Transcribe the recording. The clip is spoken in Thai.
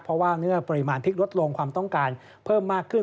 เพราะว่าเมื่อปริมาณพริกลดลงความต้องการเพิ่มมากขึ้น